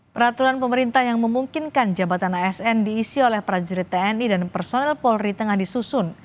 peraturan pemerintah yang memungkinkan jabatan asn diisi oleh prajurit tni dan personil polri tengah disusun